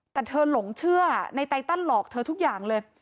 แต่เธอหลงเชื่อในไตตันหลอกเธอทุกอย่างเลย